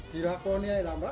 dilakoni aja lambat